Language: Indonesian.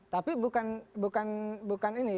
tapi bukan ini